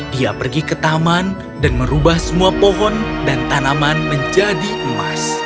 dia pergi ke taman dan merubah semua pohon dan tanaman menjadi emas